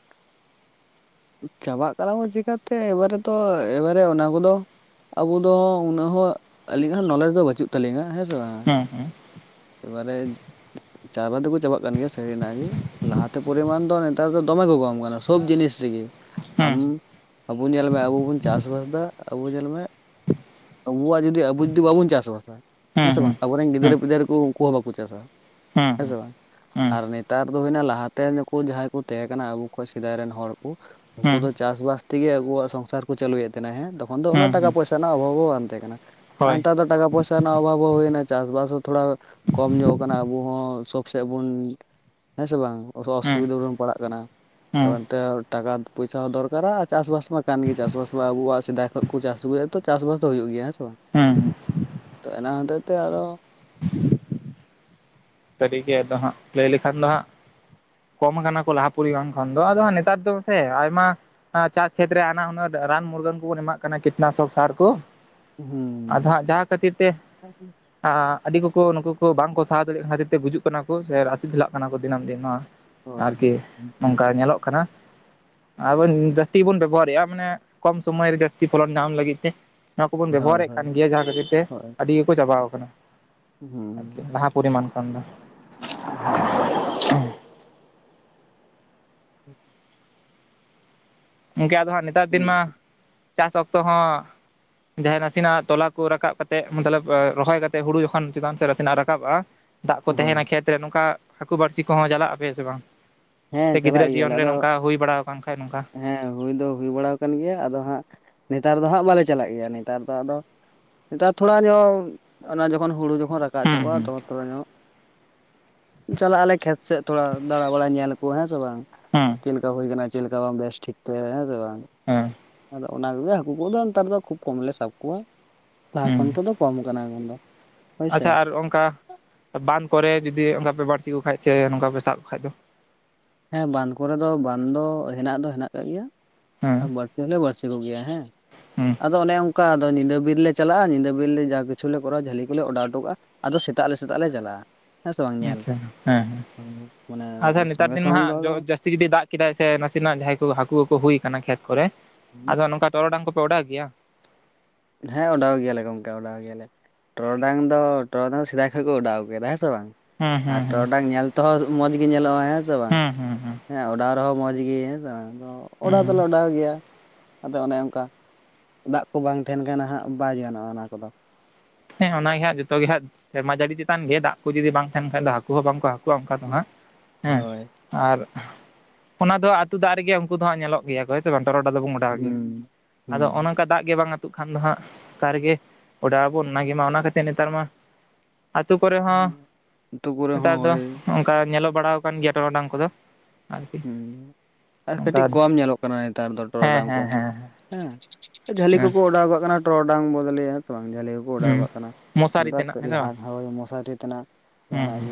ᱪᱟᱵᱟᱜ ᱠᱟᱱᱟ ᱵᱚᱱ ᱪᱤᱠᱟᱹᱛᱮ ᱮᱵᱟᱨᱮ ᱛᱚ ᱮᱵᱟᱨᱮ ᱚᱱᱟ ᱠᱚᱫᱚ ᱟᱵᱩ ᱫᱚ ᱩᱱᱟᱹᱜ ᱦᱚᱸ ᱟᱞᱤᱧᱟᱜ ᱦᱚᱸ ᱱᱚᱞᱮᱡᱽ ᱫᱚ ᱵᱟᱪᱩᱜ ᱛᱟᱹᱞᱤᱧᱟ ᱦᱮᱸ ᱥᱮ ᱵᱟᱝ ᱦᱩᱸ ᱮᱵᱟᱨᱮ ᱪᱟᱵᱟ ᱫᱩᱠᱚ ᱪᱟᱵᱟᱜ ᱠᱟᱱ ᱜᱮᱭᱟ ᱥᱮ ᱥᱟᱨᱤᱱᱟᱜ ᱜᱤ ᱞᱟᱦᱟᱛᱮ ᱯᱚᱨᱤᱢᱟᱱ ᱫᱚ ᱱᱮᱛᱟᱨ ᱫᱚ ᱫᱚᱢᱮ ᱠᱚ ᱠᱚᱢ ᱠᱟᱱᱟ ᱥᱚᱵᱽ ᱡᱤᱱᱤᱥ ᱨᱤᱜᱤ᱾ ᱦᱩᱸ ᱟᱢ ᱟᱵᱩ ᱧᱮᱞ ᱢᱮ ᱟᱵᱩ ᱵᱚᱱ ᱪᱟᱥᱵᱟᱥ ᱫᱟ ᱟᱵᱩ ᱧᱮᱞᱢᱮ ᱟᱵᱩᱣᱟᱜ ᱡᱩᱫᱤ ᱟᱵᱚ ᱡᱩᱫᱤ ᱵᱟᱵᱚᱱ ᱪᱟᱥ ᱵᱟᱥᱟ ᱦᱮᱸ ᱦᱩᱸ ᱥᱮ ᱵᱟᱝ ᱦᱩᱸ ᱟᱵᱚᱨᱮᱱ ᱦᱩᱸ ᱜᱤᱫᱟᱹᱨᱟᱹ ᱯᱤᱫᱟᱹᱨ ᱠᱩ ᱩᱱᱠᱩ ᱦᱚᱸᱵᱟᱠᱳ ᱪᱟᱥᱼᱟ ᱦᱩᱸ ᱦᱮᱸ ᱥᱮ ᱵᱟᱝ ᱦᱩᱸ ᱟᱨ ᱱᱮᱛᱟᱨ ᱫᱚ ᱦᱩᱭᱱᱟ ᱞᱟᱦᱟᱛᱮ ᱱᱩᱠᱩ ᱡᱟᱦᱟᱸᱭ ᱠᱚ ᱛᱟᱦᱮᱸ ᱠᱟᱱᱟ ᱟᱵᱩ ᱠᱷᱚᱱᱚᱡ ᱥᱮᱫᱟᱭ ᱨᱮᱱ ᱦᱚᱲ ᱠᱚ ᱩᱱᱠᱩ ᱦᱩᱸ ᱫᱚ ᱪᱟᱥ-ᱵᱟᱥ ᱛᱮᱜᱮ ᱟᱵᱩᱭᱟᱜ ᱥᱚᱝᱥᱟᱨ ᱠᱚ ᱪᱟᱞᱩᱭᱮᱫ ᱛᱟᱦᱮᱸᱱᱟ ᱦᱮᱸ ᱛᱚᱠᱷᱚᱱ ᱫᱚ ᱦᱩᱸ ᱩᱱᱟᱹᱜ ᱴᱟᱠᱟ ᱦᱩᱸ ᱯᱚᱭᱥᱟ ᱨᱮᱱᱟᱜ ᱚᱵᱷᱟᱵ ᱦᱚᱸ ᱵᱟᱝ ᱛᱟᱦᱮᱸ ᱠᱟᱱᱟ᱾ ᱟᱨ ᱦᱳᱭ ᱱᱮᱛᱟᱨ ᱫᱚ ᱴᱟᱠᱟ ᱯᱚᱭᱥᱟ ᱨᱮᱱᱟᱜ ᱚᱵᱷᱟᱵᱽ ᱦᱚᱸ ᱦᱩᱭᱱᱟ, ᱪᱟᱥ ᱵᱟᱥ ᱦᱚᱸ ᱛᱷᱚᱲᱟ ᱠᱚᱢ ᱧᱚᱜ ᱠᱟᱱᱟ ᱟᱵᱚ ᱦᱚᱸ ᱥᱚᱵ ᱥᱮᱫ ᱵᱚᱱ ᱦᱮᱸ ᱥᱮ ᱵᱟᱝ ᱦᱩᱸ ᱚᱥᱩᱵᱤᱫᱷᱟ ᱨᱮᱵᱚᱱ ᱯᱟᱲᱟᱜ ᱠᱟᱱᱟ ᱦᱩᱸ ᱮᱵᱚᱱᱛᱮ ᱴᱟᱠᱟ ᱯᱚᱭᱥᱟ ᱦᱚᱸ ᱫᱚᱨᱠᱟᱨᱟ ᱟᱨ ᱪᱟᱥ ᱵᱟᱫ ᱢᱟ ᱠᱟᱱ ᱜᱮ ᱪᱟᱥ ᱵᱟᱥ ᱢᱟ ᱟᱵᱚᱣᱟᱜ ᱥᱮᱫᱟᱭ ᱠᱷᱚᱱ ᱠᱚ ᱪᱟᱥ ᱟᱹᱜᱩᱮᱫ ᱛᱚ ᱪᱟᱥ ᱵᱟᱥ ᱫᱚ ᱦᱩᱭᱩᱜ ᱜᱮᱭᱟ ᱾ᱦᱮᱸᱥᱮ ᱵᱟᱝ? ᱦᱮᱸ ᱮᱱᱟ ᱦᱚᱛᱮ ᱛᱮ ᱟᱨᱚ ᱥᱟᱹᱨᱤ ᱜᱮ ᱟᱫᱚ ᱦᱟᱸᱜ ᱞᱟᱹᱭ ᱞᱮᱠᱷᱟᱱ ᱫᱚ ᱦᱟᱸᱜ ᱠᱚᱢ ᱠᱟᱱᱟ ᱠᱚ ᱞᱟᱦᱟ ᱯᱚᱨᱤᱵᱟᱝ ᱠᱷᱚᱱ ᱫᱚ ᱟᱫᱚ ᱱᱮᱛᱟᱨ ᱫᱚᱥᱮ ᱟᱭᱢᱟ ᱪᱟᱥ ᱠᱷᱮᱛᱨᱮ ᱦᱟᱱᱟ ᱦᱩᱱᱟᱹᱨ ᱨᱟᱱ ᱢᱩᱨᱜᱟᱹᱱ ᱠᱚᱵᱚᱱ ᱮᱢᱟᱜ ᱠᱟᱱᱟ ᱠᱤᱴᱱᱟᱜᱥᱚᱨ ᱥᱟᱨ ᱠᱚ᱾ ᱦᱩᱸ ᱟᱫᱚ ᱦᱟᱸᱜ ᱡᱟᱦᱟᱸ ᱠᱷᱟᱹᱛᱤᱨ ᱛᱮ ᱟᱹᱰᱤ ᱠᱚᱠᱚ ᱱᱩᱠᱩ ᱠᱚ ᱵᱟᱝᱠᱚ ᱥᱟᱦᱟᱣ ᱫᱟᱲᱮᱭᱟᱜ ᱠᱷᱟᱹᱛᱤᱨ ᱛᱮ ᱛᱮ ᱜᱩᱡᱩᱜ ᱠᱟᱱᱟ ᱠᱚ ᱥᱮ ᱨᱟᱥᱤᱫ ᱦᱮᱞᱟᱜ ᱠᱟᱱᱟ ᱠᱚ ᱫᱤᱱᱟᱹᱢ ᱫᱤᱱ ᱱᱚᱣᱟ ᱦᱳᱭ ᱟᱨᱠᱤ ᱦᱳᱭ ᱱᱚᱝᱠᱟ ᱧᱮᱞᱚᱜ ᱠᱟᱱᱟ ᱟᱵᱚ ᱡᱟᱹᱥᱛᱤ ᱵᱚᱱ ᱵᱮᱵᱚᱦᱟᱨᱮᱫᱼᱟ ᱢᱟᱱᱮ ᱠᱚᱢ ᱥᱚᱢᱚᱭ ᱨᱮ ᱡᱟᱹᱥᱛᱤ ᱯᱷᱚᱞᱚᱱ ᱧᱟᱢ ᱞᱟᱹᱜᱤᱫ ᱛᱮ᱾ ᱱᱚᱣᱟ ᱠᱚᱵᱚᱱ ᱦᱳᱭ ᱵᱮᱵᱚᱦᱟᱨᱮᱫ ᱦᱳᱭ ᱠᱟᱱ ᱜᱮᱭᱟ ᱡᱟᱦᱟᱸ ᱠᱷᱟᱹᱛᱤᱨ ᱛᱮ ᱦᱳᱭ ᱟᱹᱰᱤ ᱜᱮᱠᱚ ᱪᱟᱵᱟᱣ ᱟᱠᱟᱱᱟ ᱟᱨᱠᱤ ᱦᱩᱸ ᱞᱟᱦᱟ ᱯᱚᱨᱤᱢᱟᱱ ᱠᱷᱚᱱ ᱫᱚ ᱦᱳᱭ ᱦᱳᱭ <unintelligible> ᱜᱚᱢᱠᱮ ᱟᱫᱚ ᱦᱟᱜ ᱱᱮᱛᱟᱨ ᱫᱤᱱ ᱩᱱᱟᱹᱜ ᱢᱟ ᱪᱟᱥ ᱚᱠᱛᱚ ᱦᱚᱸ ᱡᱟᱦᱟᱸᱭ ᱱᱟᱥᱮᱱᱟᱜ ᱛᱚᱞᱟ ᱠᱚ ᱨᱟᱠᱟᱵ ᱠᱟᱛᱮ ᱢᱚᱛᱞᱚᱵ ᱨᱚᱦᱚᱭ ᱠᱟᱛᱮᱫ ᱦᱩᱲᱩ ᱡᱚᱠᱷᱚᱱ ᱪᱮᱛᱟᱱ ᱥᱮᱫ ᱱᱟᱥᱮᱱᱟᱜ ᱨᱟᱠᱟᱵᱼᱟ ᱫᱟᱜ ᱠᱚ ᱦᱳᱭ ᱛᱟᱦᱮᱸᱱᱟ ᱠᱷᱮᱛ ᱨᱮ ᱱᱚᱝᱠᱟ ᱦᱟᱹᱠᱩ ᱵᱟᱹᱲᱥᱤ ᱠᱚᱦᱚᱸ ᱪᱟᱞᱟᱜ ᱟᱯᱮ ᱥᱮ ᱵᱟᱝ? ᱥᱮ ᱦᱮᱸ ᱪᱟᱞᱟᱜ ᱜᱤᱫᱽᱨᱟᱹ ᱜᱮᱭᱟᱞᱮ ᱡᱤᱭᱚᱱ ᱨᱮ ᱟᱫᱚ ᱱᱚᱝᱠᱟ ᱦᱩᱭ ᱵᱟᱲᱟ ᱟᱠᱟᱱ ᱠᱷᱟᱱ ᱱᱚᱝᱠᱟ ᱦᱮᱸ ᱦᱩᱭ ᱫᱚ ᱦᱩᱭ ᱵᱟᱲᱟ ᱟᱠᱟᱱ ᱜᱮᱭᱟ ᱟᱫᱚ ᱦᱟᱸᱜ ᱱᱮᱛᱟᱨ ᱫᱚ ᱦᱟᱸᱜ ᱵᱟᱞᱮ ᱪᱟᱞᱟᱜ ᱜᱮᱭᱟ, ᱱᱮᱛᱟᱨ ᱫᱚ ᱟᱫᱚ ᱱᱮᱛᱟᱨ ᱛᱷᱚᱲᱟ ᱧᱚᱜ ᱚᱱᱟ ᱡᱚᱠᱷᱚᱱ ᱦᱩᱲᱩ ᱦᱚᱸ ᱨᱟᱠᱟᱵ ᱧᱚᱜᱚᱜᱼᱟ ᱦᱩᱸ ᱛᱚ ᱛᱷᱚᱲᱟ ᱧᱚᱜ ᱪᱟᱞᱟᱜ ᱟᱞᱮ ᱠᱷᱮᱛ ᱥᱮᱫ ᱛᱷᱚᱲᱟ ᱫᱟᱲᱟ ᱵᱟᱲᱟ ᱧᱮᱞ᱾ ᱦᱮᱸ ᱥᱮ ᱵᱟᱝ ᱦᱩᱸ ᱦᱩᱸ ᱪᱮᱫ ᱞᱮᱠᱟ ᱦᱩᱭ ᱠᱟᱱᱟ ᱪᱮᱫ ᱞᱮᱠᱟ ᱵᱟᱝ ᱵᱮᱥ ᱴᱷᱤᱠ ᱦᱮᱸ ᱥᱮ ᱵᱟᱝ ᱦᱮᱸ ᱟᱫᱚ ᱚᱱᱟ ᱠᱚᱜᱮ ᱦᱟᱹᱠᱩ ᱠᱚᱫᱚ ᱱᱮᱛᱟᱨ ᱫᱚ ᱠᱷᱩᱵ ᱠᱚᱢᱞᱮ ᱥᱟᱵ ᱠᱚᱣᱟ᱾ ᱞᱟᱦᱟ ᱦᱩᱸ ᱠᱷᱚᱱ ᱛᱮᱫᱚ ᱠᱚᱢ ᱠᱟᱱᱟ ᱮᱠᱷᱚᱱ ᱫᱚ ᱦᱳᱭᱥᱮ ᱟᱪᱪᱷᱟ ᱟᱨ ᱚᱱᱠᱟ ᱵᱟᱸᱫ ᱠᱚᱨᱮ ᱡᱩᱫᱤ ᱚᱱᱠᱟ ᱯᱮ ᱵᱟᱹᱲᱥᱤ ᱠᱚ ᱠᱷᱟᱡ ᱥᱮ ᱱᱚᱝᱠᱟ ᱯᱮ ᱥᱟᱵ ᱠᱚ ᱠᱷᱟᱡ ᱫᱚ ᱦᱮᱸ ᱵᱟᱸᱫᱷ ᱠᱚᱨᱮ ᱫᱚ ᱵᱟᱸᱫ ᱫᱚ ᱦᱮᱱᱟᱜ ᱫᱚ ᱦᱮᱱᱟᱜ ᱟᱠᱟᱜ ᱜᱮᱭᱟ ᱦᱮᱸ ᱵᱟᱹᱲᱥᱤ <unintelligible> ᱵᱟᱹᱲᱥᱤ ᱠᱚᱜᱮᱭᱟ ᱦᱮᱸ ᱦᱮᱸ ᱟᱫᱚ ᱚᱱᱮ ᱚᱱᱠᱟ ᱟᱫᱚ ᱧᱤᱫᱟᱹ ᱵᱤᱨ ᱞᱮ ᱪᱟᱞᱟᱜᱼᱟ ᱧᱤᱫᱟᱹ ᱵᱤᱨ ᱨᱮ ᱡᱟ ᱠᱤᱪᱷᱩᱞᱮ ᱠᱚᱨᱟᱣᱟ ᱡᱟᱹᱞᱤ ᱠᱚᱞᱮ ᱚᱰᱟᱣ ᱚᱴᱚ ᱠᱟᱜᱼᱟ᱾ ᱟᱫᱚ ᱥᱮᱛᱟᱜ ᱞᱮ ᱥᱮᱛᱟᱜ ᱞᱮ ᱪᱟᱞᱟᱜᱼᱟ ᱦᱮᱸ ᱥᱮ ᱵᱟᱝ ᱧᱮᱞ, ᱟᱪᱪᱷᱟ ᱦᱮᱸ ᱦᱮᱸ ᱢᱟᱱᱮ ᱟᱪᱪᱷᱟ ᱱᱮᱛᱟᱨ ᱥᱚᱸᱜᱮ ᱫᱤᱱ ᱥᱚᱝ ᱫᱚ ᱢᱟᱜ ᱟᱫᱚ ᱡᱟᱹᱥᱛᱤ ᱡᱩᱫᱤ ᱫᱟᱜ ᱠᱮᱫᱟᱭ ᱥᱮ ᱱᱟᱥᱮᱱᱟᱜ ᱡᱟᱦᱟᱸᱭ ᱠᱚ ᱦᱟᱹᱠᱩ ᱠᱚ ᱦᱩᱭ ᱠᱟᱱᱟ ᱠᱷᱮᱛ ᱠᱚᱨᱮ ᱟᱫᱚ ᱱᱚᱝᱠᱟ ᱛᱚᱨᱚᱰᱟᱝ ᱠᱚ ᱯᱮ ᱚᱰᱟᱣ ᱜᱮᱭᱟ? ᱦᱮᱸ ᱚᱰᱟᱣ ᱜᱮᱭᱟᱞᱮ ᱜᱚᱝᱠᱮ ᱚᱰᱟᱣ ᱜᱮᱭᱟᱞᱮ᱾ ᱴᱚᱨᱚᱰᱟᱝ ᱫᱚ ᱴᱚᱨᱰᱟᱝ ᱫᱚ ᱥᱮᱫᱟᱭ ᱠᱷᱚᱱ ᱠᱚ ᱚᱰᱟᱣ ᱠᱮᱫᱟ ᱦᱮᱸ ᱥᱮ ᱵᱟᱝ᱾ ᱦᱩᱸ ᱟᱨ ᱦᱩᱸ ᱦᱩᱸ ᱴᱚᱨᱚᱰᱟᱝ ᱧᱮᱞ ᱛᱮᱦᱚᱸ ᱢᱚᱡᱽ ᱜᱮ ᱧᱮᱞᱚᱜᱼᱟ᱾ ᱦᱮᱸ ᱥᱮ ᱵᱟᱝ? ᱦᱩᱸ ᱦᱩᱸ ᱦᱩᱸ ᱦᱮᱸ ᱚᱰᱟᱣ ᱨᱮᱦᱚᱸ ᱢᱚᱡᱽ ᱜᱮ ᱦᱮᱸᱥᱮ ᱵᱟᱝ ᱟᱫᱚ ᱚᱰᱟᱨ ᱦᱩᱸ ᱫᱚᱞᱮ ᱚᱰᱟᱣ ᱜᱮᱭᱟ, ᱟᱫᱚ ᱚᱱᱮ ᱚᱱᱠᱟ ᱫᱟᱜ ᱠᱚ ᱵᱟᱝ ᱛᱟᱦᱮᱱ ᱠᱷᱟᱱ ᱦᱟᱸᱜ ᱵᱟᱭ ᱜᱟᱱᱚᱜᱼᱟ ᱚᱱᱟ ᱠᱚᱫᱚ᱾ ᱦᱮᱸ ᱚᱱᱟᱜ ᱜᱮ ᱦᱟᱜ ᱡᱚᱛᱚ ᱜᱮ ᱦᱟᱜ ᱥᱮᱨᱢᱟ ᱡᱟᱹᱲᱤ ᱪᱮᱛᱟᱱ ᱜᱮ ᱫᱟᱜ ᱠᱚ ᱡᱩᱫᱤ ᱵᱟᱝ ᱛᱟᱦᱮᱱ ᱠᱷᱟᱱ ᱫᱚ ᱦᱟᱹᱠᱩ ᱦᱚᱸ ᱵᱟᱝᱠᱚ ᱦᱟᱹᱠᱩ ᱦᱟᱹᱠᱩᱼᱟ ᱚᱱᱠᱟ ᱫᱚ ᱦᱟᱸᱜ ᱦᱮᱸ ᱦᱳᱭ ᱟᱨ ᱚᱱᱟ ᱫᱚ ᱟᱹᱛᱩ ᱫᱟᱜ ᱨᱮᱜᱮ ᱩᱱᱠᱩ ᱫᱚ ᱦᱟᱸᱜ ᱧᱮᱞᱚᱜ ᱜᱮᱭᱟ ᱠᱚ ᱦᱮ ᱥᱮ ᱵᱟᱝ ᱟᱱᱴᱚᱨᱚᱰᱟ ᱫᱚᱵᱚᱱ ᱚᱰᱟᱣ ᱜᱮ ᱦᱩᱸ ᱦᱩᱸ ᱟᱫᱚ ᱚᱱᱮ ᱱᱚᱝᱠᱟ ᱫᱟᱜ ᱜᱮ ᱵᱟᱝ ᱟᱹᱛᱩᱜ ᱠᱷᱟᱱ ᱫᱚ ᱦᱟᱸᱜ ᱚᱠᱟ ᱨᱮᱜᱮ ᱚᱰᱟᱣ ᱚᱱᱟᱜᱮ ᱢᱟ ᱚᱱᱟ ᱠᱷᱟᱹᱛᱤᱨ ᱱᱮᱛᱟᱨ ᱢᱟ ᱟᱛᱳ ᱠᱚᱨᱮ ᱦᱚᱸ ᱩᱛᱩ ᱠᱚᱨᱮ ᱦᱚᱸ ᱱᱮᱛᱟᱨ ᱫᱚ ᱦᱳᱭ ᱠᱟ ᱧᱮᱞᱚ ᱵᱟᱲᱟᱣ ᱠᱟᱱ ᱜᱮᱭᱟ ᱴᱚᱨᱚᱰᱟᱝ ᱠᱚᱫᱚ ᱟᱨᱠᱤ ᱦᱮᱸ <inaudible> ᱟᱨ ᱠᱟᱹᱴᱤᱡ ᱚᱱᱠᱟ ᱠᱚᱢ ᱧᱮᱞᱚᱜ ᱠᱟᱱᱟ ᱱᱮᱛᱟᱨ ᱫᱚ ᱦᱮᱸ ᱴᱚᱨᱚᱰᱟᱝ ᱦᱮᱸ ᱠᱚᱦᱚᱸ ᱦᱮᱸ ᱦᱮᱸ ᱡᱷᱟᱹᱞᱤ ᱦᱮᱸ ᱠᱚᱠᱚ ᱚᱰᱟᱣ ᱠᱟᱜ ᱠᱟᱱᱟ ᱴᱚᱨᱚᱰᱟᱝ ᱵᱚᱫᱚᱞᱮ ᱦᱮᱸᱥᱮ ᱵᱟᱝ ᱡᱷᱟᱹᱞᱤ ᱚᱰᱟᱣ ᱦᱩᱸ ᱠᱟᱜ ᱠᱟᱱᱟ ᱢᱚᱥᱟᱨᱤ ᱦᱟᱱᱫᱟᱠ <unintelligible> ᱛᱮᱱᱟᱜ ᱦᱮᱸ ᱠᱟᱹᱨᱤ ᱥᱮ ᱵᱟᱝ <unintelligible> ᱢᱚᱥᱟᱨᱤ ᱛᱟᱱᱟᱜ ᱦᱩᱸ ᱡᱟᱦᱟᱱᱟᱜ ᱦᱩᱸ ᱜᱮ